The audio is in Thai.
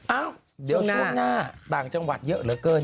เอ้าเดี๋ยวช่วงหน้าต่างจังหวัดเยอะเหลือเกิน